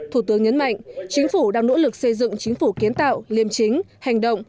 thủ tướng nhấn mạnh chính phủ đang nỗ lực xây dựng chính phủ kiến tạo liêm chính hành động